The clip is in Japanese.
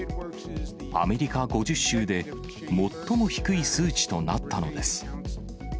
アメリカ５０州で、最も低い数値となったのです。